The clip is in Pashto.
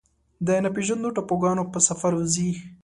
د ناپیژاندو ټاپوګانو په سفر وځي